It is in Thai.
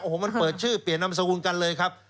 โอ้โหมันเปิดชื่อเปลี่ยนนามสกุลกันเลยครับ